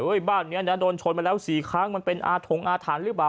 เฮ้ยบ้านเนี้ยนะโดนชนมาแล้วสี่ครั้งมันเป็นอาถงอาฐานหรือเปล่า